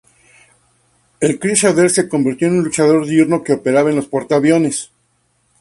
El Crusader se convirtió en un "luchador diurno" que operaba en los portaaviones.